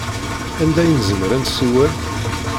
Anda i nezmer ad nsiwel?